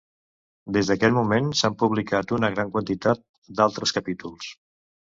Des d'aquell moment s'han publicat una gran quantitat d'altres capítols.